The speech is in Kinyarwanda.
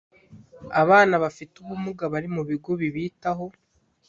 abana bafite ubumuga bari mu bigo bibitaho